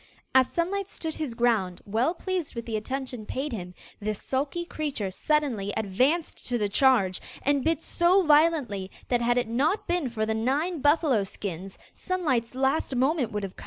As Sunlight stood his ground, well pleased with the attention paid him, this sulky creature suddenly advanced to the charge, and bit so violently that had it not been for the nine buffalo skins Sunlight's last moment would have come.